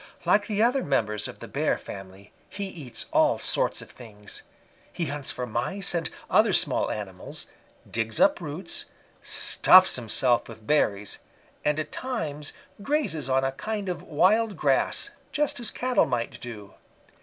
Like the other members of the Bear family, he eats all sorts of things. He hunts for Mice and other small animals, digs up roots, stuffs himself with berries, and at times grazes on a kind of wild grass, just as Cattle might do.